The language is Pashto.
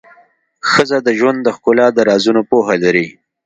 ښځه د ژوند د ښکلا د رازونو پوهه لري.